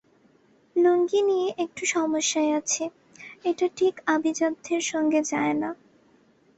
লুঙ্গি নিয়ে একটু সমস্যায় আছি, এটা ঠিক আভিজাত্যের সঙ্গে যায় না।